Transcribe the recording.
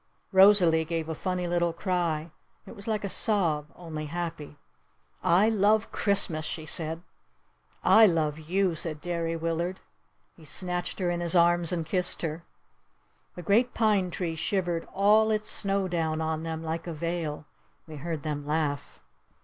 Rosalee gave a funny little cry. It was like a sob. Only happy. "I love Christmas!" she said. "I love you!" said Derry Willard. He snatched her in his arms and kissed her. A great pine tree shivered all its snow down on them like a veil. We heard them laugh.